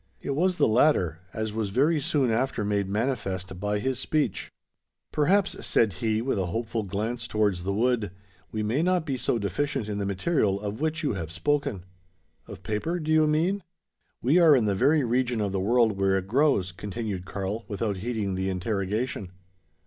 It was the latter: as was very soon after made manifest by his speech. "Perhaps," said he, with a hopeful glance towards the wood, "we may not be so deficient in the material of which you have spoken." "Of paper, do you mean?" "We are in the very region of the world where it grows," continued Karl, without heeding the interrogation.